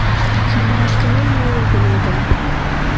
خیانت کول لویه ګناه ده